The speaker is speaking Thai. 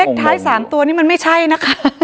เหล็กท้าย๓ตัวนี้มันไม่ใช่นะคะ